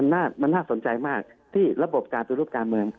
อันนี้มันน่าสนใจมากที่ระบบการจุดรูปการเมือง